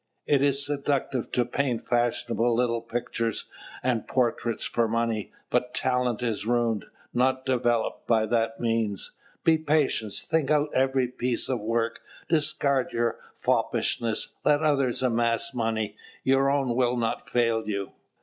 It is seductive to paint fashionable little pictures and portraits for money; but talent is ruined, not developed, by that means. Be patient; think out every piece of work, discard your foppishness; let others amass money, your own will not fail you."